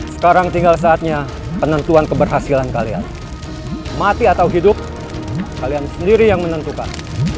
sekarang tinggal saatnya penentuan keberhasilan kalian mati atau hidup kalian sendiri yang menentukan